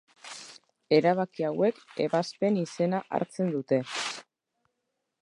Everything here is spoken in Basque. Erabaki hauek ebazpen izena hartzen dute.